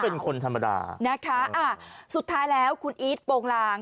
เขาก็เป็นคนธรรมดานะคะสุดท้ายแล้วคุณอีซโปรงราง